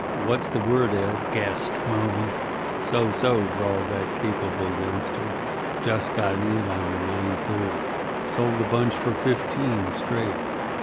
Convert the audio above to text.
"What's the word, Ed?" gasped Merwin. "So, so," drawled that capable youngster. "Just got in on the 9:30. Sold the bunch for fifteen, straight.